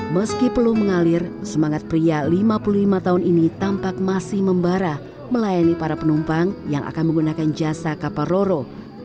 meski peluh mengalir semangat pria lima puluh lima tahun ini tampak masih membara melayani para penumpang yang akan menggunakan jasa kapal roro